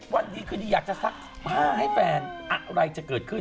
วันดีคืนดีอยากจะซักผ้าให้แฟนอะไรจะเกิดขึ้น